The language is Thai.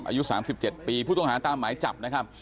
อายุ๓๗ปีผู้ต้องหาตามหมายจับนะครับ